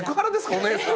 お姉さん。